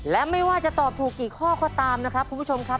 และไม่ว่าจะตอบถูกกี่ข้อก็ตามนะครับคุณผู้ชมครับ